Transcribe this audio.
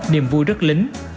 niềm vui rất lính